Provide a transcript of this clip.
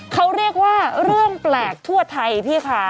เขาเรียกว่าเรื่องแปลกทั่วไทยพี่คะ